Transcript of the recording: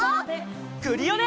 クリオネ！